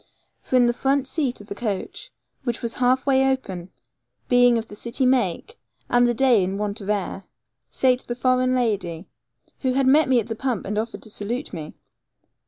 For in the front seat of the coach, which was half way open, being of the city make, and the day in want of air, sate the foreign lady, who had met me at the pump and offered to salute me.